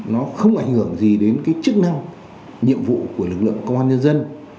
nó không ảnh hưởng gì đến cái chức năng nhiệm vụ của lực lượng công an nhân dân